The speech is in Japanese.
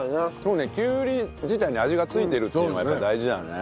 きゅうり自体に味がついてるというのがやっぱり大事だね。